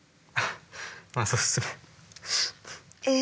まあそうですね。え？